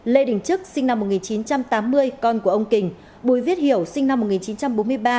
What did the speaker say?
lê đình trức sinh năm một nghìn chín trăm tám mươi con của ông kình bùi viết hiểu sinh năm một nghìn chín trăm bốn mươi ba